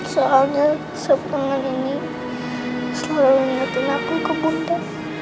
soalnya sepetangan ini selalu menekan aku kak bunda